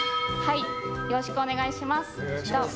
よろしくお願いします。